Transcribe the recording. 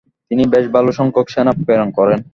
তিনি বেশ ভালো সংখ্যক সেনা প্রেরণ করেন।